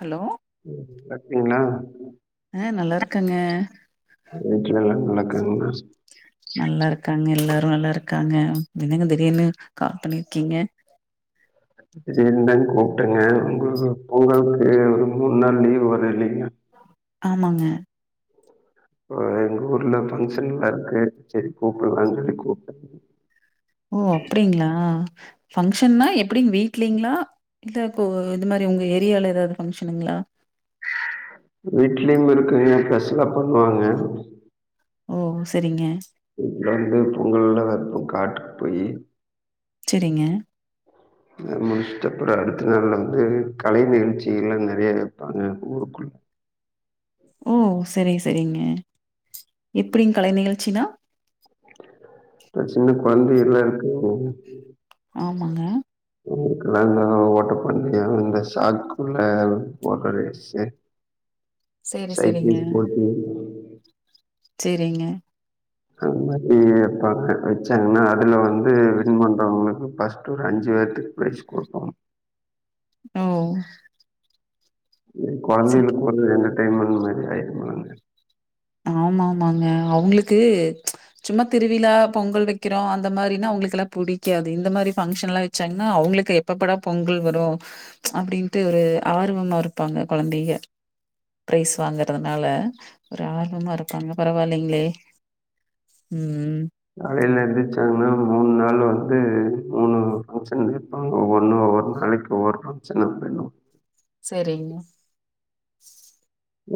Hello சாப்டிங்ளா ஆ நல்லாருக்கங்க வீட்ல எல்லாரு நல்லாருக்காங்களா நல்லா இருக்காங்க எல்லாரு நல்லா இருக்காங்க என்னங்க திடீர்னு கால் பண்ணிருக்கீங்க திடீர்னுதா கூப்டங்க உங்களுக்கு பொங்கலுக்கு ஒரு மூணு நாள் லீவு வருதில்லிங்க ஆமாங்க அப்ப எங்க ஊர்ல ஃபங்க்ஷன்லா இருக்கு சரி கூப்புலானு சொல்லி கூப்ட்ட ஓ அப்படிங்களா ஃபங்க்ஷன்னா எப்படிங் வீட்லீங்ளா இல்ல இப்போ இந்த மாரி உங்க ஏரியால எதாது ஃபங்க்ஷனுங்ளா வீட்லயும் இருக்குங்க பெசலா பண்ணுவாங்க ஓ சரிங்க இப்ப வந்து பொங்கல்லா வப்போ காட்டுக் போயி சரிங்க முடிச்டப்புற அடுத்த நாள்ல வந்து கலை நிகழ்ச்சில்லா நெறைய வப்பாங்க ஊருக்குள்ள ஓ சரி சரிங்க எப்படிங்க கலை நிகழ்ச்சினா இப்ப சின்ன கொழந்தைகள்லா இருக்குல்லங்க ஆமாங்க உங்களுகெல்லா இந்த ஓட்ட பந்தய இந்த சாக்குள்ள ஓடுற ரேஸு செரி செரிங்க சைக்கிள் போட்டி சரிங்க அது மாதிரி வப்பாங்க வச்சாங்கன்னா அதுல வந்து வின் பண்றவங்களுக்கு ஃபர்ஸ்ட் ஒரு அஞ்சு பேத்துக் ப்ரைஸ் குடுபாங்க ஓ ஏ செ கொழந்தைங்களுக்கு ஒரு என்டர்டைன்மெண்ட் மாரி ஆயிரும்லங்க ஆமா ஆமாங்க அவுங்களுக்கு சும்மா திருவிழா பொங்கல் வைக்கிறோ அந்த மாரினா அவங்களுக்கெல்லா புடிக்காது இந்த மாரி ஃபங்க்ஷன்லா வச்சாங்கன்னா அவுங்களுக்கு எப்பப்படா பொங்கல் வரு அப்படின்டு ஒரு ஆர்வமா இருப்பாங்க கொழந்தைங்க பிரைஸ் வாங்கறதுனால ஆர்வமா இருப்பாங்க பரவால்லங்களே உம் காலைல எந்திருச்சாங்கன்னா மூணு நாள் வந்து மூணு ஃபங்க்ஷன்ங்க வாங்க ஒவ்வொன்னு ஒவ்வொரு நாளைக்கு ஒவ்வொரு ஃபங்க்ஷன்க்கு போயிர்லா சரிங்க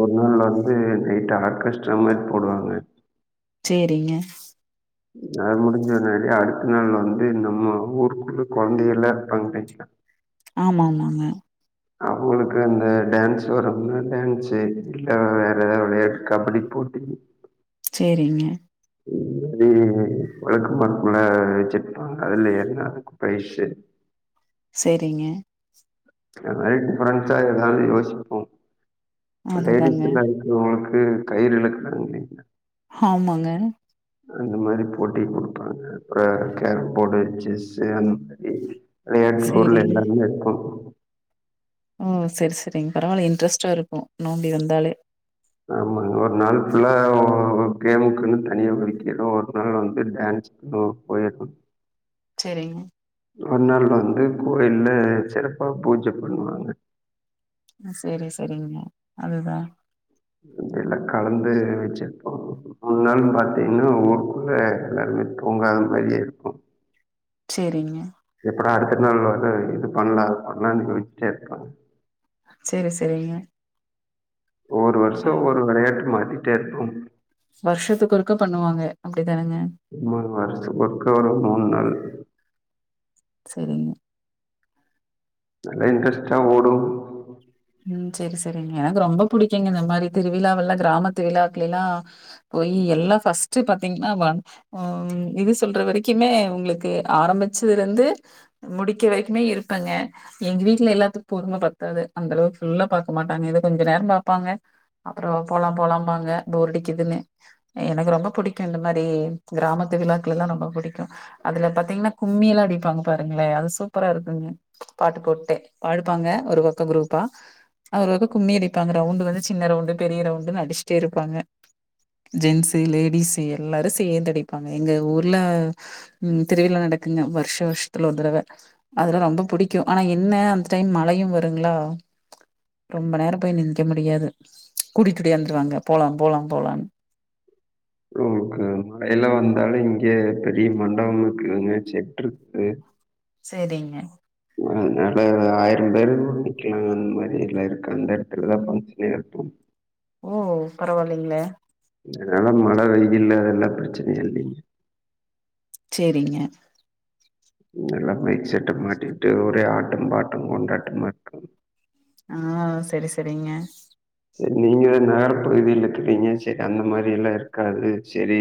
ஒரு நாள் வந்து நைட் ஆர்கஸ்ட்ரா மாரி போடுவாங்க செரிங்க அது முடிஞ்சவுனை அடுத்த நாள் வந்து நம்ம ஊருக்குள்ள கொழந்தைகள்லா இருப்பாங்களிங்லா ஆமாமாங்க அவுங்களுக்கு அந்த டான்ஸ் வர்றவுங்க டான்ஸு இல்ல வேற எதாது விளையாட்டு கபடி போட்டி செரிங்க இந்த மாரி வழக்கமா இருக்குல்ல வச்சிருப்பாங்க அதுல எல்லாருக்கு பிரைஸு செரிங்க இந்த மாரி டிஃபரெண்ட்ஸா எதாது யோசிப்போ [unintelligible] அதுதாங்க. இது உங்களுக்கு கயிறு இழுக்குறது இல்லங்ளா ஆமாங்க அந்த மாரி போட்டி குடுப்பாங்க அப்ற கேரம் போர்டு செஸ்ஸு அ விளையாட்டு பொருள் சரிங்க. எல்லாமே வைப்போ ஓ செரி செரிங்க பரவால்ல இன்ட்ரெஸ்ட்டா இருக்கு நோம்பி வந்தாலே ஆமாங்க ஒரு நாள் ஃபுல்லா கேமுக்குன் தனியா ஒதுக்கிருவோ ஒரு நாள் வந்து டான்ஸு ஓ [unintelligible] செரிங்க அந்நாள்ள வந்து கோயில்ல சிறப்பா பூஜ பண்ணுவாங்க செரி செரிங்க அதுதா எல்லா கலந்து வெச்சிருப்போ மூன் நாள் பாத்தீங்னா ஊருக்குள்ள எல்லாருமே தூங்காத மாறியே இருக்கூ செரிங்க எப்படா அடுத்த நாள் வருது இது பண்லா அது பண்லான் யோஸ்சிட்டே இருப்பாங்க செரி செரிங்க ஒரு வருஷொ ஒரு வெளையாட்டுன் மாத்திட்டே இருப்பாங்க வருஷத்துக்கு ஒருக்க பண்ணுவாங்க அப்டிதானங்க ஆமா வருஷத்துக்கு ஒருக்க வரும் மூண் நாள் செரிங்க நல்ல இன்ட்ரெஸ்டா ஓடு ம் செரி செரிங்க எனக்கு ரொம்ப புடிக்குங்க இந்த மாரி திருவிழாவெல்லா கிராம திருவிழாக்குலல்லா பொய் எல்லா ஃபர்ஸ்ட் பாத்தீங்ன்னா ஒன் ம் இது சொல்ற வரைக்குமே உங்ளுக்கு ஆரம்பிச்சதுலருந்து முடிக்க வரைக்குமே இருப்பெங்க எங்க வீட்ல எல்லாத்துக்கு பொறும பத்தாது அந்த அளவுக்கு ஃபுல்லா பாக்க மாட்டாங்க ஏதோ கொஞ்சம் நேரொ பாப்பாங்க அப்புறம் போலாம் போலாம் பாங்க போரடிக்குதுன்னு எனக்கு ரொம்ப புடிக்கூ இந்த மாரி கிராமத்து விழாக்கலெல்லா ரொம்ப புடிக்கும் அதுல பாத்தீங்ன்னா கும்மியல்லா அடிப்பாங்க பாருங்களே அது சூப்பரா இருக்குங்க பாட்டு போட்டே பாடுவாங்க ஒரு பக்கொ குரூப் பா அவரவர் கும்மி அடிப்பாங்க ரவுண்டு் வந்து சின்ன ரவுண்டு பெரிய ரவுண்டுனுடிச்சுட்டே இருப்பாங்க ஜென்ட்ஸு லேடிஸு எல்லாரு சேந்து அடிப்பாங்க எங்க ஊர்ல ம் திருவிழா நடக்குங்க வருஷ வருஷத்துல ஒரு தடவ அதெல்லா ரொம்ப புடிக்கூ ஆனா என்ன அந்த டைம் மழையும் வருங்ளா ரொம்ப நேரம் போய் நி நிக்க முடியாது கூட்டிட்டிடுயாந்துருவாங்க போலாம் போலாம் போலாம்னு உங்களுக்கு மழகில வந்தாலு இங்கே பெரிய மண்டபம் இருக்குங்க செட் இருக்கு செரிங்க அதனால ஆயிரம் பேரு நிக்லாங்க அந்த மாதிரி இருக்கிற இடத்துலதாங்க பங்ஷனே எடுப்போம் ஓ பரவால்லிங்ளே அதனால மழ வெயிலு இதல்லா பிரச்சனையே இல்லேங்க செரிங்க எல்லா மைக் செட்ட மாட்டிகிட்டு ஒரே ஆட்டம் பாட்டம் கொண்டாட்டமார்கூ ஆ செரி செரிங்க செரி நீங்க நகர பகுதியில இருக்கிறீங்க செரி அந்த மாரி எல்லா இருக்காது செரி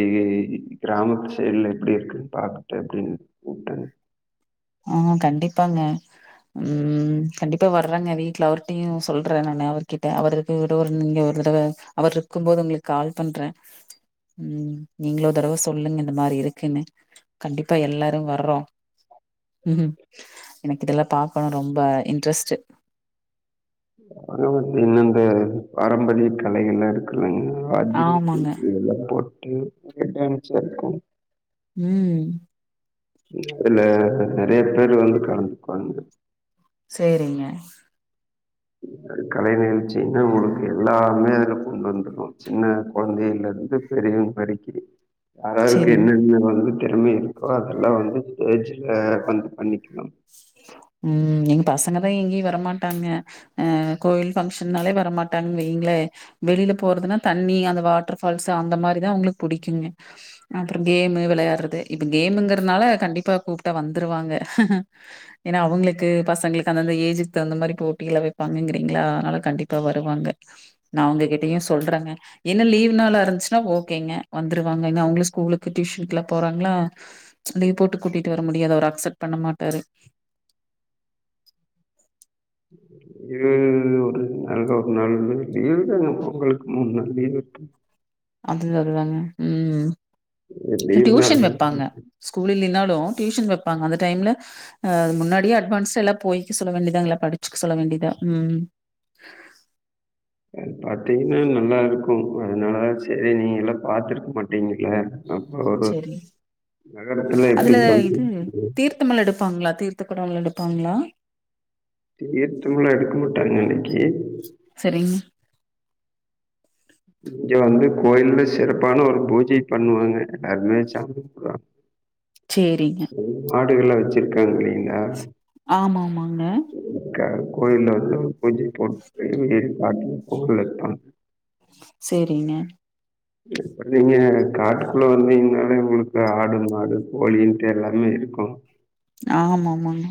கிராமத்து சைட்ல எப்டி இருக்குன்னு பாக்கட்டு அப்டின் கூப்டெங்க ம் கண்டிப்பாங்க ம் கண்டிப்பா வர்றங்க வீட்ல அவர்ட்டையு சொல்ற நானு அவர்கிட்ட அவரு இவர்ட்ட ஒரு நீங்க ஒரு தடவ அவர் இருக்கும்போது உங்குளுக்கு கால் பண்றே ம் நீங்ளோரு தடவ சொல்லுங்க இந்த மாரி இருக்குன்னு கண்டிப்பா எல்லாரும் வர்றோம் ம்ம் எனக்கு இதெல்லாம் பாக்கணுனு ரொம்ப இன்ட்ரெஸ்ட்டு அது ஒரு தின்னந்த பாரம்பரிய கலைகள்ல ங்க அதி ஆமாங்க இதெல்லா போட்டு [unintelligible] இருக்கனு ம் இதுல நறைய பேர் வந்து கலந்துக்குவாங்க செரிங்க கலை நிகழ்ச்சினா உங்களுக்கு எல்லாமே அதுல கொண்டு வந்திருவோ சின்ன கொழந்தையில இருந்து பெரியவுங்க வரலக்கீ ஆராருக்கு சேரிங்க என்னென்ன வந்து திறமை இருக்கோ அதெல்லா வந்து ஸ்டேஜ்ல வந்து பண்ணிக்கலாம் ம் எங் பசங்கதா எங்கேயு வரமாட்டாங்க அ கோயில் பஃங்க்ஷன்னால வரமாட்டாங்கன்னு வைங்ளே வெளியில போறதுனா தண்ணி அந்த வாட்டர்ஃபால்ஸ் அந்த மாரிதா அவுங்களுக்கு புடிக்குங்க அப்பறம் கேம்மு வெளையாட்றது இப்ப கேமுங்கிறதுனால கண்டிப்பா கூப்ட்டா வந்துருவாங்க எனா அவுங்களுக்கு பசங்களுக்கு அந்தந்த ஏஜுக்கு தகுந்த மாரி போட்டிலா வப்பாங்கங்கிறீங்க்ளா அனால கண்டிப்பா வருவாங்க நா அவங்ககிட்டயு சொல்றங்க எனா லீவ்‌ நாளா இருஞ்ச்சுனா ஓக்கேங்க வந்துருவாங்கங்க எனா அவுங்களே ஸ்கூலுக்கு டியூஷ்னுக்குலா போறாங்ளா ஷோ லீவ் போட்டு கூட்டிட்டு வர முடியாது அவரு அக்சப்ட் பண்ண மாட்டாரு [unintelligible] நாளா ஒரு நாள் லீவு தாங்க உங்களுக்கு மூனுநாளு லீவிருக்கு அது அதுதாங்க உம் லீவு நாள் டியூஷன் வப்பாங்க ஸ்கூலில்லனாலு டியூஷன் வப்பாங்க அந்த டைம்ல அதாது முன்னாடியே அட்வான்ஸெல்லா போய்க்க சொல்ல வேண்டிதாங்களா படுச்சுக்க சொல்ல வேண்டிதா உம் பாத்தீங்னா நல்லாருக்கும் அதனால செரி நீங்கலா பாத்துருக்க மாட்டீங்கள அப்ப ஒரு சரி. நகரத்திலே எப்டி வந்து [inaudible] ளா எடுப்பாங்ளா தீர்த்த கொடம் எடுப்பாங்ளா தீர்த்தம்ளா எடுக்க மாட்டாங்க அனிக்கி சரிங் இங்க வந்து கோயில்ல சிறப்பான ஒரு பூஜை பண்வாங்க [unintelligible] ச்சேரிங்க மாடுகல்லா வச்சிருக்காங் இல்லங்ளா ஆமா மாங்க க்க கோயில வந்து பூஜ போட்டு [inaudible] போலத்தா செரிங்க இப்ப நீங்க காட்க்குள்ள வந்தீங்கனாலே உங்களுக்கு ஆடு மாடு கோழின்ட்டு எல்லாமே இருக்கு ஆமாமாங்க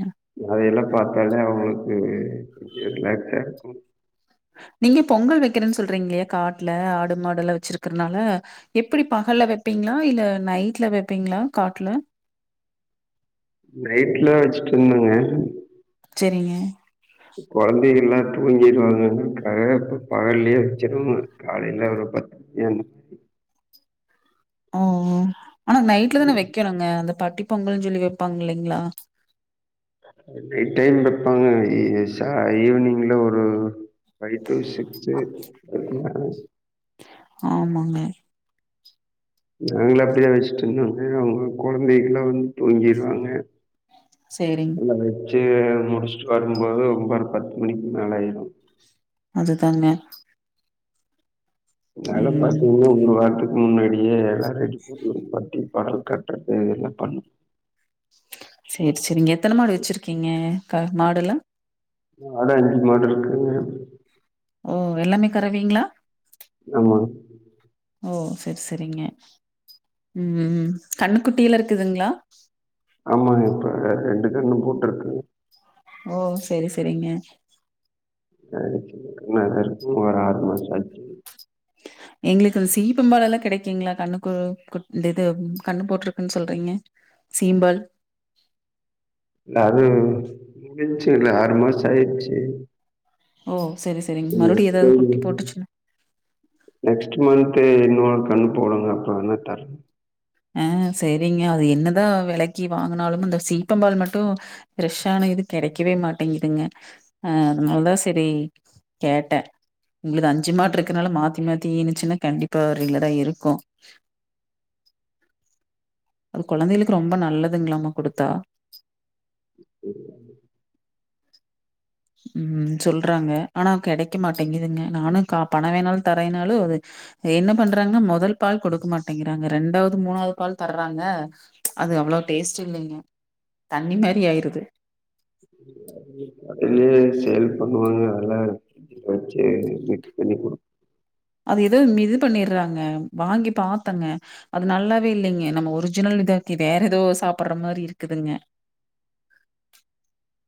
அதயெல்லா பாத்தாலே அவுங்களுக்கு ஒரு கொஞ்சோ ரிலாக்ஸாருக்கு நீங்க பொங்கல் வக்கிறேன் சொல்றீங்கலே காட்ல ஆடு மாடல்லா வச்சிருக்குறனால எப்டி பகல்ல வப்பீங்களா இல்ல நைட்ல வப்பீங்களா காட்டுல நைட்லா வச்சுட்ருந்தோங்க செரிங்க இப்ப வந்து எல்லா தூங்கிற்றாங்கனு கரட்டா பகல்லயே வச்சுறுங்க காலேல ஒரு பத்து மணியாவு ஓ ஓ ஆனா நைட்ல தான வக்கணுங்க அந்த பட்டி பொங்கலுஞ் சொல்லி வப்பாங்க இல்லிங்ளா நைட் டைம் வப்பாங்க ஈ ச ஈவினிங்ல ஒரு ஃபைடூ சிக்ஸு [unintelligible] ஆமாங்க நாங்களா அப்டியே வஷ்ட்டுருந்தோ அவுங்ளா கொழந்திங்கலா வந்து தூங்கிற்றாங்க செரிங் அத வெச்சு முடிஷ்ட்டு வரும்போது ஒம்போதர பத்து மணிக்கு மேல ஆய்டு அதுதாங்க நாளா ம் பாத்தீங்கனா ஒரு வாரத்து முன்னாடியே எல்லாரெடி பண்ணி பட்டி படல் கட்றது இதெல்லா பண்ணு செர் செரிங்க எத்தன மாடு வச்சுருக்கீங்க க மாடெல்லா ஆறு அஞ்சு மாடுருக்குங்க ஓ எல்லாமே கரவைங்ளா ஆமாங் ஓ செர் செரிங்க ம் கண்ணக்குட்டில இருக்குதுங்ளா ஆமாங்க இப்ப ரெண்டு கண்ணு போட்டிருக்குங்க ஓ செரி செரிங்க [inaudible] ஒரு ஆறு மாச ஆச்சி எங்களுக்கு சீப்பம்பாலலா கெடைக்குங்களா கண்ணுக்கு குட் இந்த இது கண்ணு போட்ருக்குன் சொல்றீங்க சீம்பால் இல்ல அது முடுஞ்ச்சுல ஆறு மாச ஆயிருச்சு ஓ செரி செரிங்க மறுபடியு எதாவது குட்டி போட்டுச்சு நெக்ஸ்ட் மந்த்து இன்னொரு கண்ணு போடுங்க அப்ப வெனா தர அ செரிங்க அது என்னதா வெலைக்கி வாங்குனாலும் அந்த சீப்பம்பால் மட்டு ஃப்ரெஷ்ஷான இது கெடைக்கவே மாட்டேங்கிதுங்க அ அதனால தா சரி கேட்டே உங்கள்து அஞ்சு மாட்டு இருக்கனால மாத்தி மாத்தி இனுச்சுன்னா கண்டிப்பா ஒ ரெகுலரா இருக்கு அது கொழந்தைகளுக்கு ரொம்ப நல்லதுங்க்ளாமா குடுத்தா சரி ம் சொல்றாங்க ஆனா கெடைக்க மாட்டேங்குதுங்க நானு கா பண வேணாலு தரேயினாலு என்ன பண்றாங்க மொதல் பால் குடுக்க மாட்டேங்கிறாங்க ரெண்டாவது மூணாவ்து பால் தர்றாங்க அது அவ்ளோ டேஸ்ட் இல்லைங்க தண்ணி மாரி ஆயிருது ம் சேல் பண்ணுவாங்க அலா அ சே மிக்ஸ் பண்ணி குடு அது ஏதோ இது பண்ணிடுறாங்க வாங்கி பாத்தங்க அது நல்லாவே இல்லைங்க நம்ம ஒரிஜினல் இதாக்கி வேற ஏதோ சாப்புட்ற மாரி இருக்குதுங்க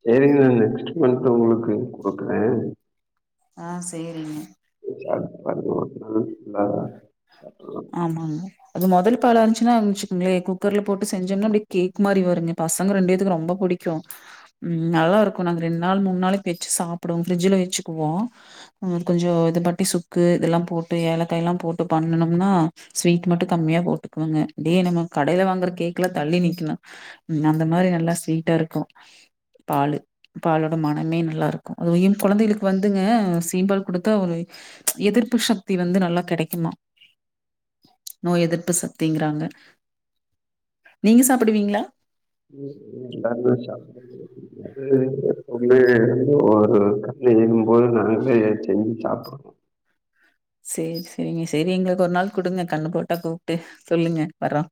சேரிங்க நா நெக்ஸ்ட் மந்த் உங்களுக்கு குடுக்குறே ஆ சேரிங்க இப்ப ஒன்னொன்னு இதா அப்றோ ஆமாங்க அது முதல் பால் ஆ இந்துச்சுன்னா அ வச்சுங்கங்ளே குக்கர்ல போட்டு செஞ்சோனா அப்டு கேக் மாரி வருங்க பசங்க ரெண்டு பேதுக்கு ரொம்ப புடி க்கு ம் நல்லா இருக்கு நாங்க ரெண் நாள் மூணு நாளைக்கு வெச்சு சாப்புடுவோ ஃப்ரிஜ்ஜுட்ல வெச்சுக்குவோ ம் இது கொஞ்சோ இது பட்டி சுக்கு இதெல்லா போட்டு ஏலக்கா எல்லா போட்டு பண்ணணு னா ஸ்வீட் மட்டு கம்மியா போட்டுக்குவேங்க இதே நம்ம கடையில வாங்குற கேக்லா தள்ளி நிக்கணு ம் அந்த மாரி நல்லா ஸ்வீட்டா இருக்கு பாலு பாலோட மனமே நல்லா இருக்கு அது இன் கொழந்தைகளுக்கு வந்துங்க சீம்பால் குடுத்தா ஒரு எதிர்ப்பு ஷக்தி வந்து நல்லா கெடைக்குமா நோய் எதிர்ப்பு சக்திங்குறாங்க நீங்க சாப்புடுவீங்களா ம் எல்லமே சாப்புடுவோ அது வந்து ஒரு கா லைல ஏழும்பும்போது நாங்களே செஞ்சு சாப்ட்ருவோ சேரி செரிங்க செரி எங்களுக்கு ஒரு நாள் குடுங்க கன்னு போட்டா கூப்ட்டு சொல்லுங்க வர்றோ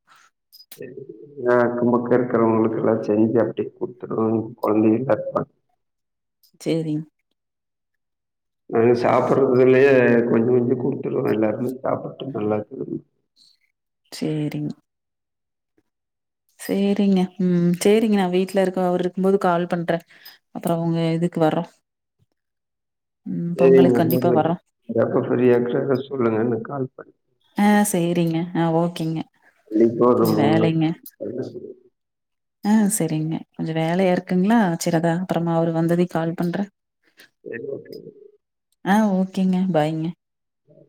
ஆ அக்க பக்க இருக்கிறவங்களுக்கு எல்லா செஞ்சு அப்டியே குடுத்துட்றோ கொழந்தைகளுக் கட் பண் சேரிங் நாங்க சாப்புடுறதுலயே கொஞ்ச குடுத்துடுவோ எல்லாருமே சாப்புட்டு நல்லாதுன்னு சேரிங் சேரிங்க ம் சேரிங்க நா வீட்டல இருக்க அவரு இருக்கும் போது கால் பண்றே அப்புற உங்க இதுக்கு வர்றோ ம் சரிங்க பொங்கலுக்கு நீங்க கண்டிப்பா [unintelligible] வர்றோ நீங்க எப்போ ஃப்ரீயா ஆச்சன்னா சொல்லுங்க எனக்கு கால் பண் ஆ சேரிங்க ஆ ஓகேங்க இன்னைக்கு ஒரு கொஞ்ச வேலைங்க நாள் ஆ செரிங்க கொஞ்ச வேலையா இருக்குங்களா சிறகா அப்புறமா அவரு வந்ததை கால் பண்றே ஓகே ஆ ஓகேங்க பாய்ங்க பாய்